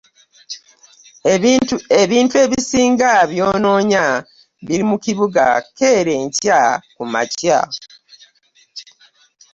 Ebintu ebisinga byonoonya biri mu kibuga keera enkya ku makya.